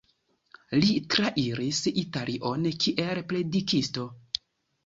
Li trairis Italion kiel predikisto.